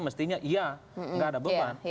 mestinya iya nggak ada beban